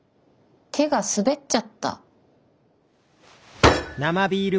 手が滑っちゃった。